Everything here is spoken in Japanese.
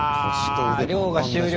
漁が終了。